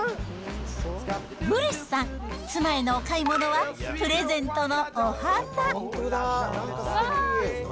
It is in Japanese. ブリスさん、妻へのお買い物は、プレゼントのお花。